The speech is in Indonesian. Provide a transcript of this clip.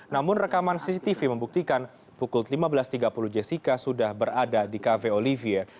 namun rekaman cctv membuktikan pukul lima belas tiga puluh jessica sudah berada di cafe olivier